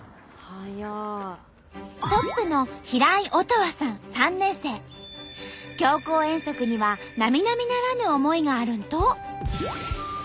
トップの強行遠足にはなみなみならぬ思いがあるんと。